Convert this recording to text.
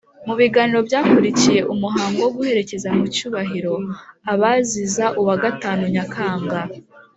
mu biganiro byakurikiye umuhango wo guherekeza mu cyubahiro abaziza uwa gatanu nyakanga.